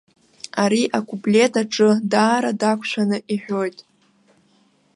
Ари акуплет аҿы даара дақәшәаны иҳәоит.